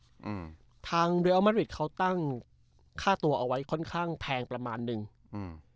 อืมทางเรียลมาริดเขาตั้งค่าตัวเอาไว้ค่อนข้างแพงประมาณหนึ่งอืม